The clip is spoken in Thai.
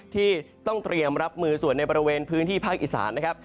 ที่ต้องเตรียมรับมือส่วนในบริเวณพื้นที่ภาคอีสานนะครับ